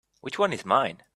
Which one is mine?